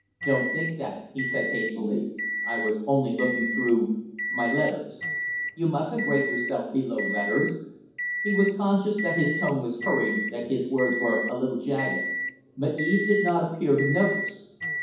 "Don't think that," he said, hastily. "I was only looking through my letters. You mustn't rate yourself below letters." He was conscious that his tone was hurried, that his words were a little jagged; but Eve did not appear to notice.